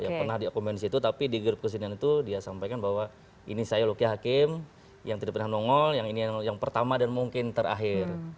ya pernah diakomen di situ tapi di grup kesenian itu dia sampaikan bahwa ini saya luki hakim yang tidak pernah nongol yang ini yang pertama dan mungkin terakhir